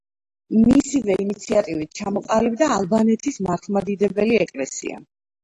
მისივე ინიციატივით ჩამოყალიბდა ალბანეთის მართლმადიდებელი ეკლესია.